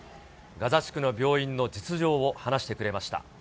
ガザ地区の病院の実情を話してくれました。